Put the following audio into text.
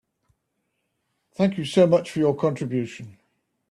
Thank you so much for your contribution.